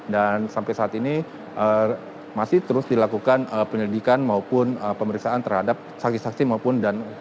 dan sampai saat ini masih terus dilakukan penyelidikan maupun pemeriksaan terhadap saksi saksi maupun dan